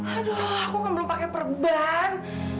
aduh aku kan belum pakai perban